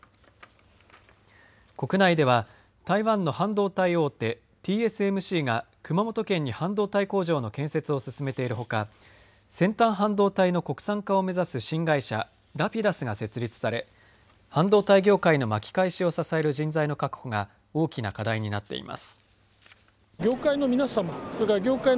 国内では台湾の半導体大手、ＴＳＭＣが熊本県に半導体工場の建設を進めているほか先端半導体の国産化を目指す新会社、Ｒａｐｉｄｕｓが設立され半導体業界の巻き返しを支える人材の確保が大きな課題になっています。